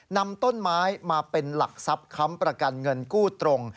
นำต้นไม้มาเป็นหลักทรัพย์ค้ำประกันเงินกู้ตรง